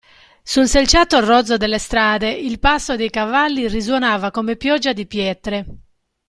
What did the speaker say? Sul selciato rozzo delle strade il passo dei cavalli risuonava come pioggia di pietre.